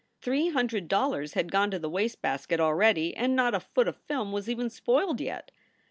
Three hundred dollars had gone to the waste basket already and not a foot of film was even spoiled yet.